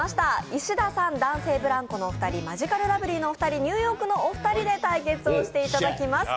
石田さん、男性ブランコのお二人、マヂカルラブリーのお二人、ニューヨークのお二人で対決していただきます。